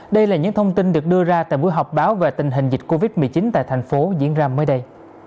đây là những thông tin được đưa ra tại buổi họp báo về tình hình dịch covid một mươi chín tại thành phố diễn ra mới đây